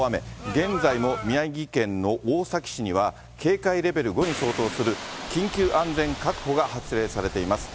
現在も宮城県の大崎市には、警戒レベル５に相当する緊急安全確保が発令されています。